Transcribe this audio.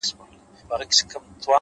مثبت ذهن پر حل تمرکز ساتي،